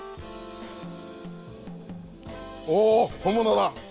おお本物だ！